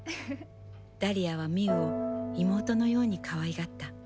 あはみうを妹のようにかわいがった。